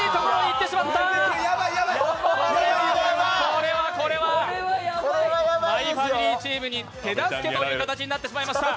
これはこれは、「マイファミリー」チームに手助けという形になってしまいました。